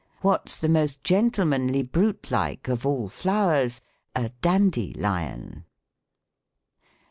What's the most gentlemanly brute Like, of all flow'rs ? A dandy lion.'